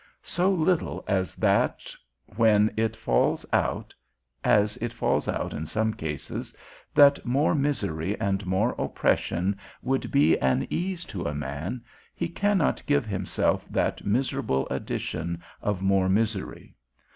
So little as that when it falls out (as it falls out in some cases) that more misery and more oppression would be an ease to a man, he cannot give himself that miserable addition of more misery.